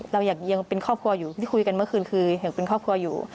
เรายังเป็นครอบครัวอยู่ที่คุยกันเมื่อคืนคือยังเป็นครอบครัวอยู่